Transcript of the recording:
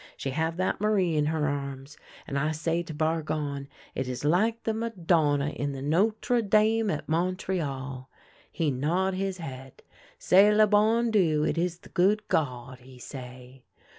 She have that Marie in her arms, and I say to Bargon it is like the Madonna in the Notre Dame at IMontreal. He nod his head. ' C'est le bon Dieu — it is the good God,' he say.